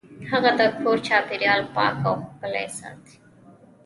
هغه د کور چاپیریال پاک او ښکلی ساته.